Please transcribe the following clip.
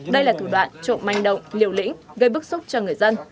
đây là thủ đoạn trộm manh động liều lĩnh gây bức xúc cho người dân